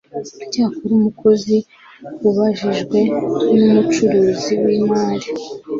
Cyakora umukozi ubajijwe n umugenzuzi w imari